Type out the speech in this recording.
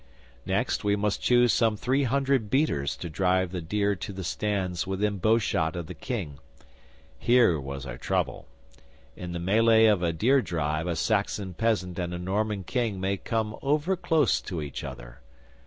Next, we must choose some three hundred beaters to drive the deer to the stands within bowshot of the King. Here was our trouble! In the mellay of a deer drive a Saxon peasant and a Norman King may come over close to each other.